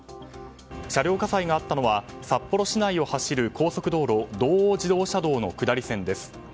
車両火災があったのは札幌市内を走る高速道路道央自動車道の下り線です。